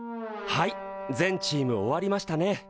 はい全チーム終わりましたね。